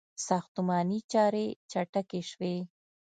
• ساختماني چارې چټکې شوې.